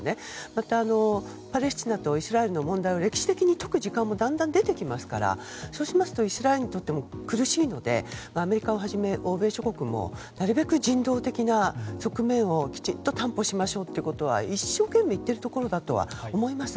また、パレスチナとイスラエルの問題を歴史的に解く時間もだんだん出てきますからそうしますとイスラエルにとっても苦しいのでアメリカをはじめ、欧米諸国もなるべく人道的な側面をきちんと担保しましょうということは一生懸命言っているところだとは思います。